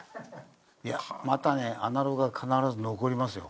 いやまたねアナログは必ず残りますよ。